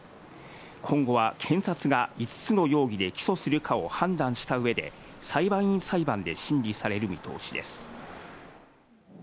今後は検察が５つの容疑で起訴するかを判断したうえで、裁判員裁判で審理される見通しです。